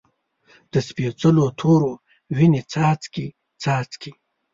د سپیڅلو تورو، وینې څاڅکي، څاڅکي